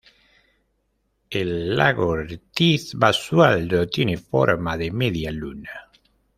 El lago Ortiz Basualdo tiene forma de media luna.